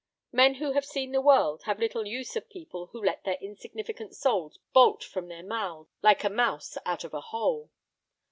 Men who have seen the world have little use of people who let their insignificant souls bolt from their mouths like a mouse out of a hole.